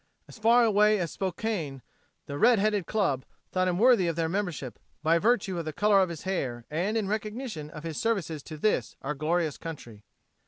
As far away as Spokane the "Red Headed Club" thought him worthy of their membership "by virtue of the color of his hair and in recognition of his services to this, our glorious country."